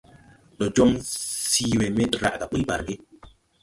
Ndɔ jɔŋ sii we me draʼ gà ɓuy barge.